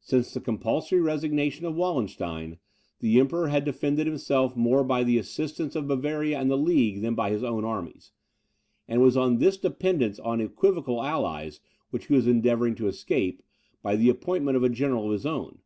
Since the compulsory resignation of Wallenstein, the Emperor had defended himself more by the assistance of Bavaria and the League, than by his own armies; and it was this dependence on equivocal allies, which he was endeavouring to escape, by the appointment of a general of his own.